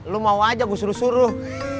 lo mau aja gue suruh suruh